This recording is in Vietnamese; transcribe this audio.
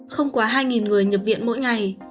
không quá hai người nhập viện mỗi ngày